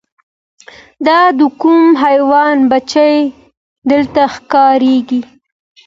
دا د کوم حیوان بچی درته ښکاریږي